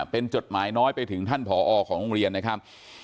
เป็นจดหมายน้อยไปถึงท่านผอของโรงเรียนนะครับ